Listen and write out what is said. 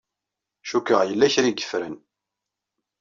Cikkeɣ yella kra ay ffren.